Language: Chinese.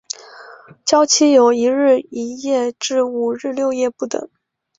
醮期由一日一夜至五日六夜不等。